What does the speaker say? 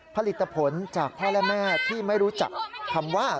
ผลิตผลจากพ่อและแม่ที่ไม่รู้จักคำว่า